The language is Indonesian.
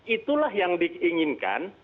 itulah yang diinginkan